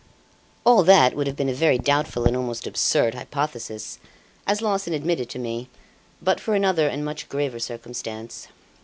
"All that would have been a very doubtful and almost absurd hypothesis, as Larsan admitted to me, but for another and much graver circumstance.